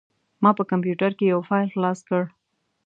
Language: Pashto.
ما په کمپوټر کې یو فایل خلاص کړ.